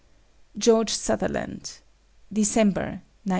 GEORGE SUTHERLAND. December, 1900.